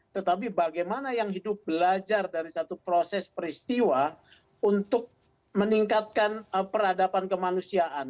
tetapi bagaimana yang hidup belajar dari satu proses peristiwa untuk meningkatkan peradaban kemanusiaan